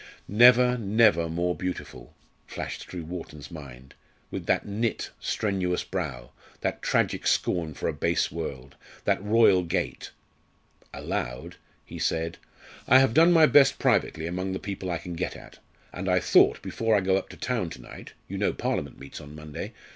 "Never, never more beautiful!" flashed through Wharton's mind, "with that knit, strenuous brow that tragic scorn for a base world that royal gait " Aloud he said: "I have done my best privately among the people I can get at, and I thought, before I go up to town to night you know Parliament meets on Monday?